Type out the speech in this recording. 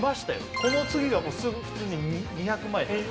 この次がもうすぐ普通に２００万円